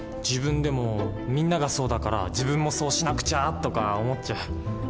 自分でも「みんながそうだから自分もそうしなくちゃ」とか思っちゃう。